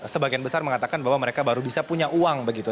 sebagian besar mengatakan bahwa mereka baru bisa punya uang begitu